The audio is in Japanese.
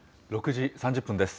６時３０分です。